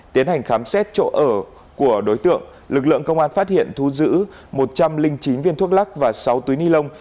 tiến hành khám xét chỗ ở của đối tượng lực lượng công an phát hiện thu giữ một trăm linh chín viên thuốc lắc và sáu túi ni lông